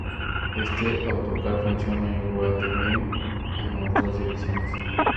Este autocar funciona igual de bien en las dos direcciones.